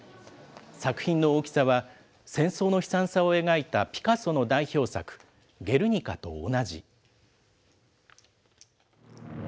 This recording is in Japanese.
作品の大きさは、戦争の悲惨さを描いたピカソの代表作、ゲルニカと同じ。